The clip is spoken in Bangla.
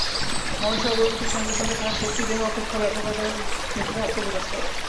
মানুষের অগ্রগতির সঙ্গে সঙ্গে তাহার শক্তি দেহ অপেক্ষা ব্যাপকতর ক্ষেত্রে আত্মপ্রকাশ করে।